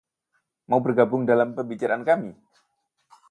Mau bergabung dalam pembicaraan kami?